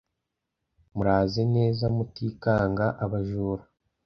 muraze neza mutikanga abajura